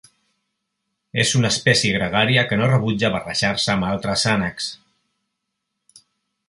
És una espècie gregària que no rebutja barrejar-se amb altres ànecs.